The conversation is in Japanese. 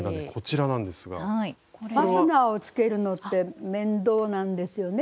ファスナーをつけるのって面倒なんですよね